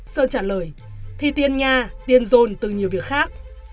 sơn trả lời thì tiền nhà tiền dồn từ nhiều việc khác